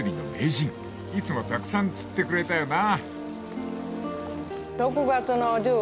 ［いつもたくさん釣ってくれたよな］